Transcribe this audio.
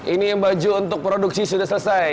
ini yang baju untuk produksi sudah selesai